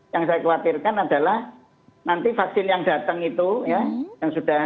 yang saya khawatirkan adalah nanti vaksin yang datang itu ya